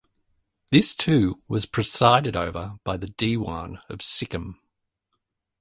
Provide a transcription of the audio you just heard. This too was presided over by the Dewan of Sikkim.